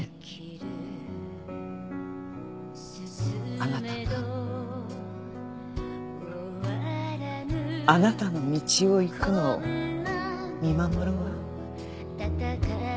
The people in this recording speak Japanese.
あなたがあなたの道を行くのを見守るわ。